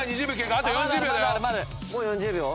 あと４０秒だよ。